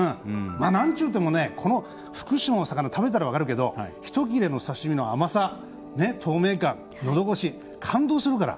なんといってもね福島の魚、食べたら分かるけど一切れの刺身の甘さ透明感、のど越し、感動するから。